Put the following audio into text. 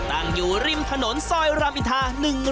ตั้งอยู่ริมถนนซอยรามอินทา๑๑